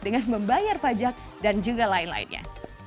dengan membayar pajak dan juga lain lainnya